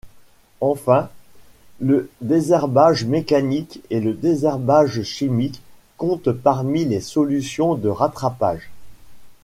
Enfin, le désherbage mécanique et le désherbage chimique comptent parmi les solutions de rattrapage.